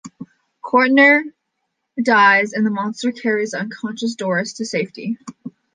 Cortner dies, and the monster carries the unconscious Doris to safety.